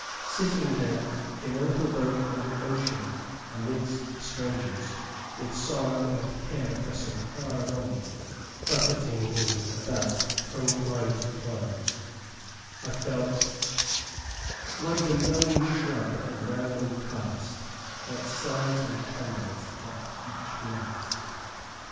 Sitting, then, in a little boat on the ocean, amidst strangers, with sorrow and care pressing hard on me buffeting me about from clime to clime I felt "Like the lone shrub at random cast, That sighs and trembles at each blast!"